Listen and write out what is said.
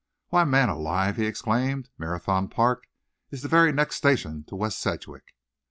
"Why, man alive!" he exclaimed, "Marathon Park is the very next station to West Sedgwick!"